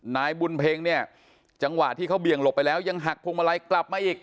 นายบุญเพ็งเนี่ยจังหวะที่เขาเบี่ยงหลบไปแล้วยังหักพวงมาลัยกลับมาอีก